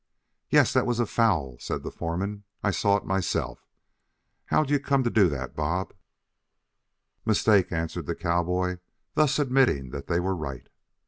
"Yes, that was a foul," said the foreman. "I saw it myself. How'd you come to do that, Bob?" "Mistake," answered the cowboy, thus admitting that they were right.